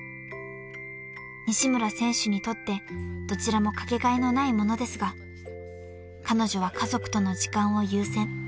［西村選手にとってどちらもかけがえのないものですが彼女は家族との時間を優先］